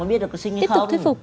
tiếp tục thuyết phục